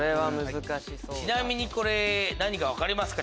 ちなみにこれ何か分かりますか？